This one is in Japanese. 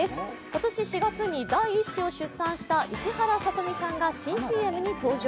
今年４月に第１子を出産した石原さとみさんが新ＣＭに登場。